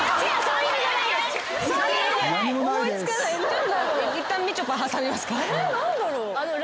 いったんみちょぱ挟みますか？